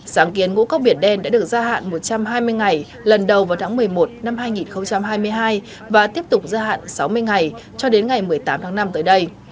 sáng kiến ngũ cốc biển đen đã được gia hạn một trăm hai mươi ngày lần đầu vào tháng một mươi một năm hai nghìn hai mươi hai và tiếp tục gia hạn sáu mươi ngày cho đến ngày một mươi tám tháng năm tới đây